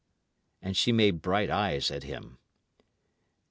And she made bright eyes at him.